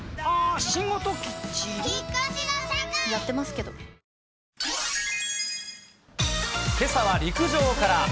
けさは陸上から。